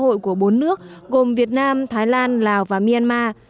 hành lang kinh tế xã hội của bốn nước gồm việt nam thái lan lào và myanmar